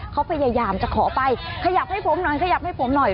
เขาพยายามจะขอไปขยับให้ผมหน่อยขยับให้ผมหน่อย